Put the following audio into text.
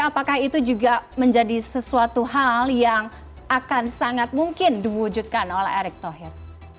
apakah itu juga menjadi sesuatu hal yang akan sangat mungkin diwujudkan oleh erick thohir